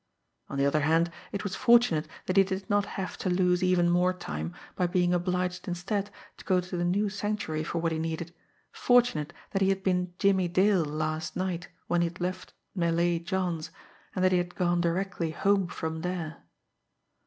On the other hand, it was fortunate that he did not have to lose even more time by being obliged instead to go to the new Sanctuary for what he needed, fortunate that he had been "Jimmie Dale" last night when he had left Malay John's, and that he had gone directly home from there.